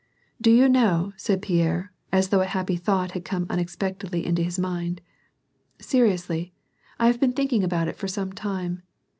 " Do you know," said Pierre, as though a happy thought had come unexpectedly into his mind, —" Seriously, I have been thinking about it for some time.